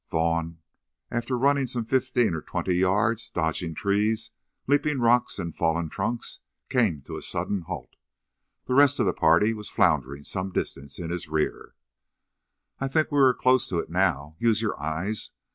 Vaughn, after running some fifteen or twenty rods, dodging trees, leaping rocks and fallen trunks, came to a sudden halt. The rest of the party was floundering some distance in his rear. "I think we are close to it now. Use your eyes.